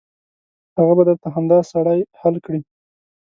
هغه به درته همدا سړی حل کړي.